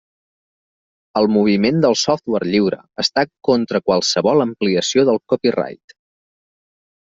El moviment del software lliure està contra qualsevol ampliació del copyright.